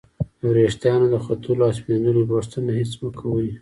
د ورېښتانو د ختلو او سپینیدلو پوښتنه هېڅ مه کوئ!